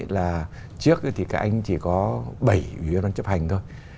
là trước thì các anh chỉ có bảy ủy viên ban chấp hành thôi